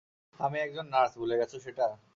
আমিও একজন নার্স, ভুলে গেছ সেটা?